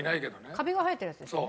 カビが生えてるやつですよね？